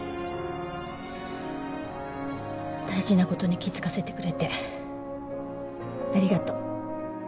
大事な事に気づかせてくれてありがとう。